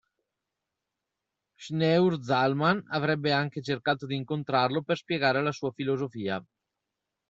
Shneur Zalman avrebbe anche cercato di incontrarlo per spiegare la sua filosofia.